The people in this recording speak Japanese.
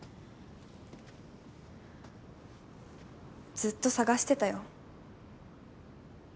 ずっと探してたよ。